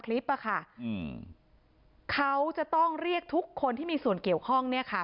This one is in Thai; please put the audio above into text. คลิปอ่ะค่ะอืมเขาจะต้องเรียกทุกคนที่มีส่วนเกี่ยวข้องเนี่ยค่ะ